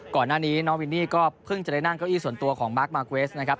ก่อนหน้านี้น้องวินนี่ก็เพิ่งจะได้นั่งเก้าอี้ส่วนตัวของมาร์คมาร์เกวสนะครับ